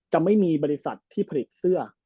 จะไม่มีบริษัทที่ผลิตเสื้อ